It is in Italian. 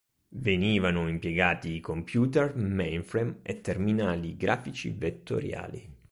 Venivano impiegati computer mainframe e terminali grafici vettoriali.